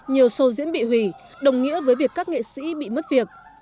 nhiều show diễn bị hủy đồng nghĩa với việc các nghệ sĩ bị mất việc